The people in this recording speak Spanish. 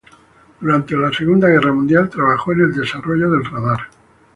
Durante la Segunda Guerra Mundial trabajó en el desarrollo del radar.